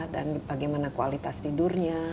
dan bagaimana kualitas tidurnya